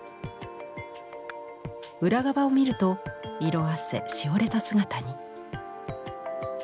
裏側を見ると色あせしおれた姿に。